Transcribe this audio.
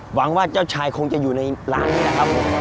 หวังว่าเจ้าชายคงจะอยู่ในร้านนี้แหละครับผม